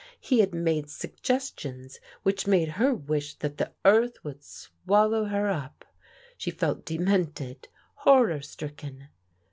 He had made suggestions which made her wish that the earth would swallow her up ; she felt demented, horror stricken.